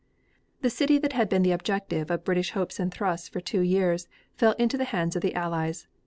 The city that had been the objective of British hopes and thrusts for two years, fell into the hands of the Allies.